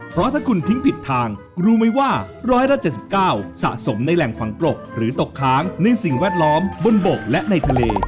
เพราะถ้าคุณทิ้งผิดทางรู้ไหมว่า๑๗๙สะสมในแหล่งฝังกลกหรือตกค้างในสิ่งแวดล้อมบนบกและในทะเล